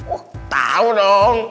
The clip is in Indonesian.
oh tau dong